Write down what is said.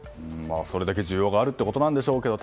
それだけ需要があるということなんでしょうけど